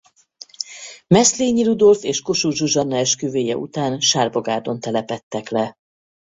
Meszlényi Rudolf és Kossuth Zsuzsanna esküvője után Sárbogárdon telepedtek le.